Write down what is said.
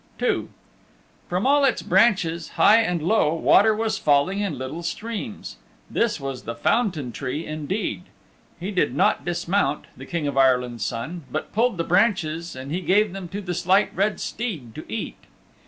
II From all its branches, high and low, water was falling in little streams. This was the Fountain Tree indeed. He did not dismount, the King of Ireland's Son, but pulled the branches and he gave them to the Slight Red Steed to eat.